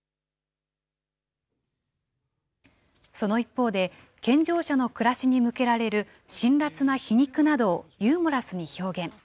その一方で、健常者の暮らしに向けられる辛辣な皮肉などをユーモラスに表現。